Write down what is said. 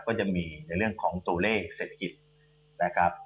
ก็จะมีในเรื่องของตัวเลขเศรษฐกิจนะครับ